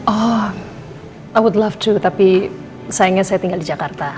oh over love to tapi sayangnya saya tinggal di jakarta